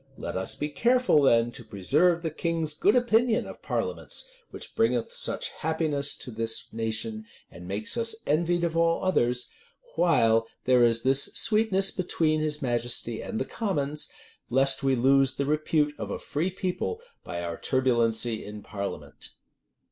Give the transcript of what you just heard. Let us be careful then to preserve the king's good opinion of parliaments, which bringeth such happiness to this nation, and makes us envied of all others, while there is this sweetness between his majesty and the commons; lest we lose the repute of a free people by our turbulency in parliament."